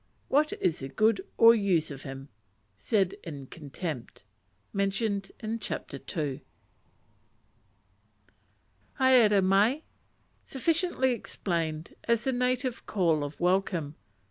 _ What is the good (or use) of him? Said in contempt. p. 18. Haere mai! &c. Sufficiently explained as the native call of welcome.